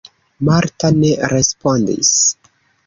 Marta ne respondis.